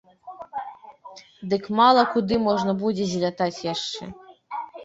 Дый мала куды можна будзе злятаць яшчэ?